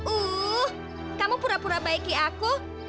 uh kamu pura pura baiki aku